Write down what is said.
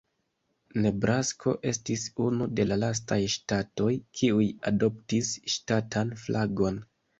Nebrasko estis unu de la lastaj ŝtatoj, kiuj adoptis ŝtatan flagon.